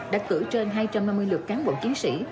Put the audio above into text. đã cử trên hai trăm năm mươi lượt cán bộ chiến sĩ